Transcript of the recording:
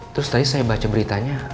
terus tadi saya baca beritanya